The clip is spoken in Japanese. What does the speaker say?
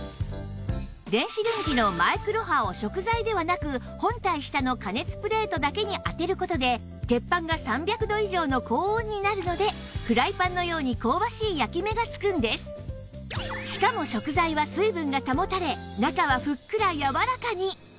電子レンジのマイクロ波を食材ではなく本体下の加熱プレートだけに当てる事で鉄板が３００度以上の高温になるのでフライパンのようにしかも食材は水分が保たれ中はふっくらやわらかに